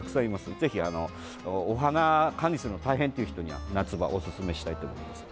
ぜひ、お花を管理するのが大変という人には夏場、おすすめしたいと思います。